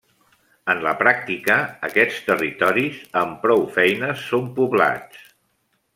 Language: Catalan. En la pràctica, aquests territoris, amb prou feines són poblats.